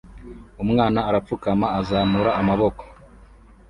Umwana arapfukama azamura amaboko